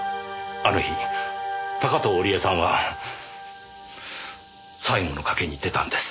あの日高塔織絵さんは最後の賭けに出たんです。